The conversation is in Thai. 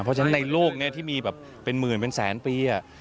เพราะฉะนั้นในโลกที่มีแบบ๑๐๐๐๐เป็นแสนปี